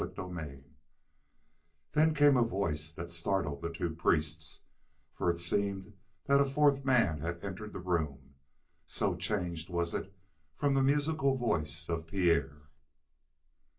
CHAPTER 3 Then came a voice that startled the two priests, for it seemed that a fourth man had entered the room, so changed was it from the musical voice of Pierre.